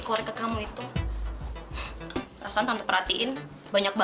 karena gue sama sekali gak tertarik dengan lo